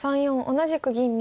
同じく銀右。